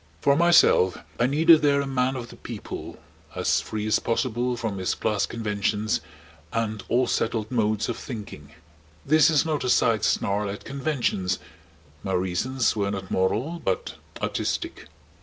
For myself I needed there a Man of the People as free as possible from his class conventions and all settled modes of thinking. This is not a side snarl at conventions. My reasons were not moral but artistic.